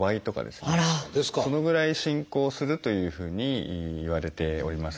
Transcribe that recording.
そのぐらい進行するというふうにいわれております。